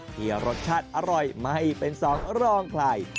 ที่รสชัดอร่อยไม่เป็นสองรองไข่